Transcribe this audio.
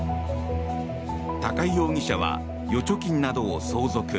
高井容疑者は預貯金などを相続。